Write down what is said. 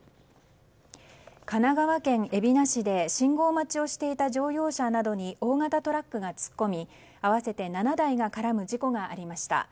神奈川県海老名市で信号待ちをしていた乗用車などに大型トラックが突っ込み合わせて７台が絡む事故がありました。